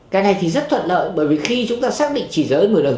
cái này thì rất thuận lợi bởi vì khi chúng ta xác định chỉ giới người đầu